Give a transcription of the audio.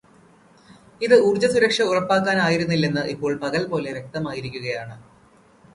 ഇത് ഊർജ സുരക്ഷ ഉറപ്പാക്കാനായിരുന്നില്ലെന്ന് ഇപ്പോൾ പകൽ പോലെ വ്യക്തമായിരിക്കുകയാണ്.